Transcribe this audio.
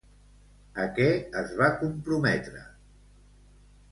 A què es va comprometre?